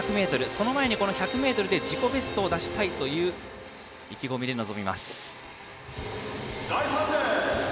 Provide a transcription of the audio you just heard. その前に、この１００ｍで自己ベストを出したいという意気込みで望みます、内藤。